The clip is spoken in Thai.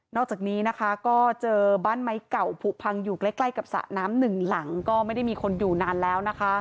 อกจากนี้นะคะก็เจอบ้านไม้เก่าผูพังอยู่ใกล้กับสระน้ำหนึ่งหลังก็ไม่ได้มีคนอยู่นานแล้วนะคะ